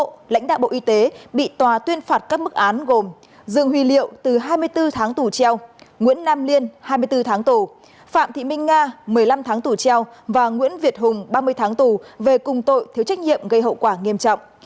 bộ lãnh đạo bộ y tế bị tòa tuyên phạt các mức án gồm dương huy liệu từ hai mươi bốn tháng tù treo nguyễn nam liên hai mươi bốn tháng tù phạm thị minh nga một mươi năm tháng tù treo và nguyễn việt hùng ba mươi tháng tù về cùng tội thiếu trách nhiệm gây hậu quả nghiêm trọng